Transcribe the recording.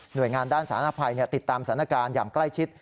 โดยงานด้านสาธารณภัยติดตามสถานการณ์อย่างใกล้ชิด